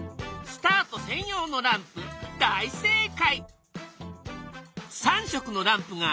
スタート専用のランプ。